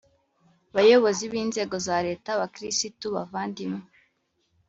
bayobozi b’inzego za leta, bakirisitu bavandimwe